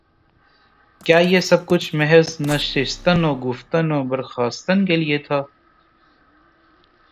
کیا یہ سب کچھ محض نشستن و گفتن و برخاستن کے لیے تھا؟